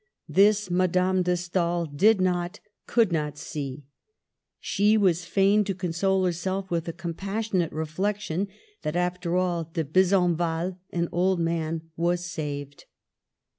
This Mad ame de Stael did not, could not see. She was fain to console herself with the compassionate reflection that, after all, De Besenval — an old man — was saved.